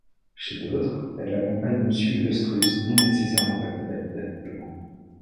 Chez d’autres, elle accompagne ou suit l’œstrus non nécessairement accompagné d’accouplement.